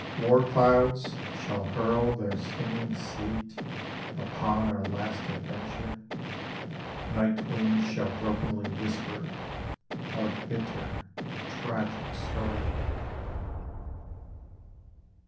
War clouds shall hurl their stinging sleet upon our last adventure, Night winds shall brokenly whisper our bitter, tragic story.